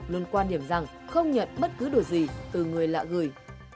luôn quan điểm rằng không nhận bất cứ điều gì từ người lạ gửi